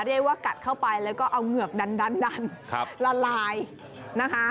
เรียกว่ากัดเข้าไปแล้วก็เอาเหงือกดันดันละลายนะคะ